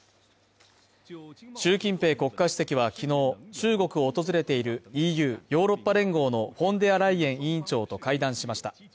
習近平国家主席は昨日中国を訪れているＥＵ＝ヨーロッパ連合のフォンデアライエン委員長と会談しました。